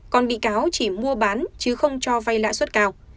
còn bị cáo chỉ mua bán chứ không cho vay lãi suất cao